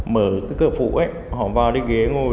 mở cái cửa phủ họ vào đi ghế ngồi